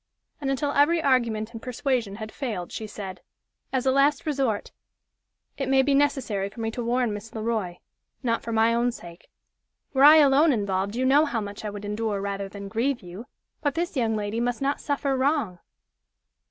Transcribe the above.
And until every argument and persuasion had failed, she said: "As a last resort, it may be necessary for me to warn Miss Le Roy not for my own sake. Were I alone involved, you know how much I would endure rather than grieve you. But this young lady must not suffer wrong."